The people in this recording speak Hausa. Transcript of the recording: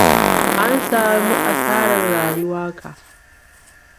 An samu asarar rayuka.